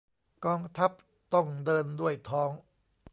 กองทัพต้องเดินด้วยท้อง